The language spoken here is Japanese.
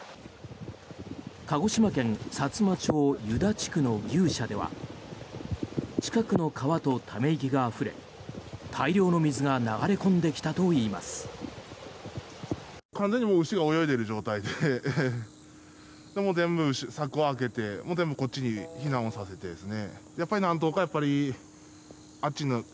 鹿児島県さつま町湯田地区の牛舎では近くの川とため池があふれ大量の水が流れ込んできたといいます。